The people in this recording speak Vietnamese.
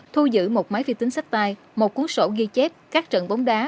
thu giữ một máy vi tính sách tay một cuốn sổ ghi chép các trận bóng đá